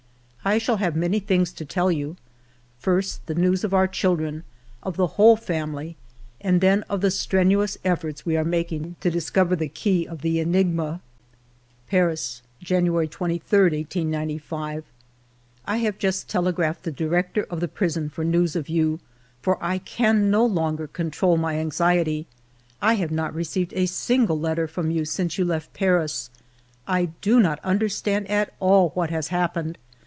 I shall have many things to tell you : first, the news of our children, of the whole family, and then of the strenuous efforts we are making to discover the key of the enigma." ALFRED DREYFUS 83 "Paris, January 23, 1895. " I have just telegraphed the director of the prison for news of you, for I can no longer control my anxiety. I have not received a single letter from you since you left Paris ; I do not understand at all what has happened